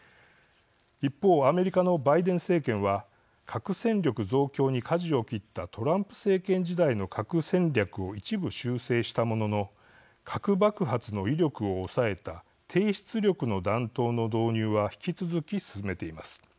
一方、アメリカのバイデン政権は核戦力増強に、かじを切ったトランプ政権時代の核戦略を一部、修正したものの核爆発の威力を抑えた低出力の弾頭の導入は引き続き進めています。